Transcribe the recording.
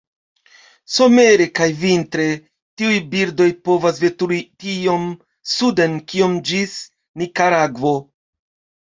Somere kaj vintre, tiuj birdoj povas veturi tiom suden kiom ĝis Nikaragvo.